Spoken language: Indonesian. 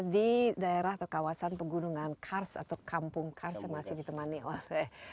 di daerah atau kawasan pegunungan kars atau kampung kars yang masih ditemani oleh